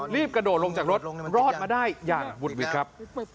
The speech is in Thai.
รีบกระโดดลงจากรถรอดมาได้อย่างบุดหวิดครับ